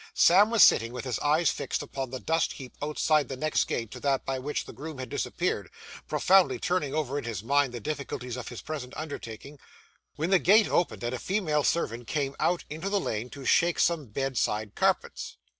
Sam was sitting with his eyes fixed upon the dust heap outside the next gate to that by which the groom had disappeared, profoundly turning over in his mind the difficulties of his present undertaking, when the gate opened, and a female servant came out into the lane to shake some bedside carpets.